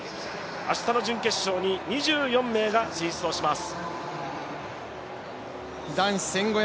明日の準決勝に２４名が進出します。